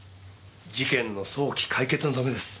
事件の早期解決のためです。